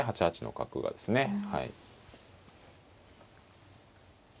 ８八の角がですね。